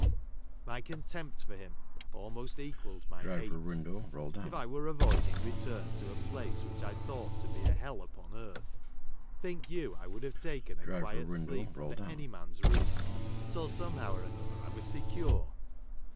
My contempt for him almost equalled my hate. If I were avoiding return to a place which I thought to be a hell upon earth, think you I would have taken a quiet sleep under any man's roof, till somehow or another I was secure